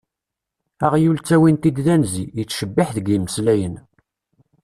Aɣyul ttawin-t-id d anzi, yettcebbiḥ deg yimeslayen.